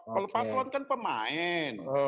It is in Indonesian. kalau paslon kan pemain